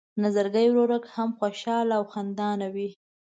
نظرګی ورورک هم خوشحاله او خندان وي.